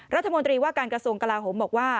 รัฐมนตรีว่าการกระทรวงกลาโหมบอกว่า